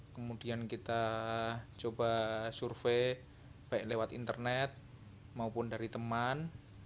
kemudian kita coba survei baik lewat internet maupun dari teman